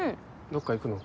どっか行くの？